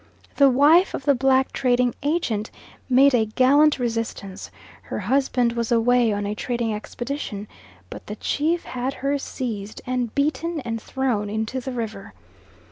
The wife of the black trading agent made a gallant resistance, her husband was away on a trading expedition, but the chief had her seized and beaten, and thrown into the river.